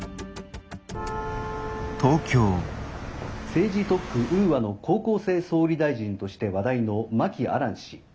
「政治特区ウーアの高校生総理大臣として話題の真木亜蘭氏。